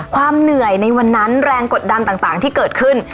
ความเหนื่อยในวันนั้นแรงกดดันต่างที่เกิดขึ้น